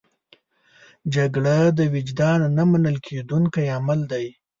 جګړه د وجدان نه منل کېدونکی عمل دی